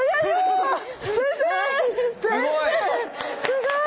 すごい！